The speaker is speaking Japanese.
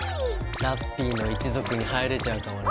ラッピィの一族に入れちゃうかもね。